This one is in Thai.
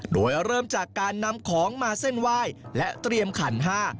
โดยเริ่มจากการนำของมาเส้นไหว้และเตรียมขันห้า